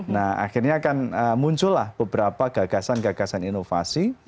nah akhirnya akan muncullah beberapa gagasan gagasan inovasi